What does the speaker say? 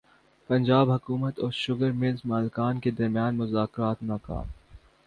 پنجاب حکومت اور sugar mills مالکان کے درمیان مذاکرات ناکام